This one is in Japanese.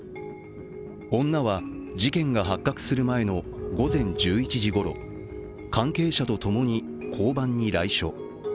女は、事件が発覚する前の午前１１時ごろ関係者とともに交番に来所。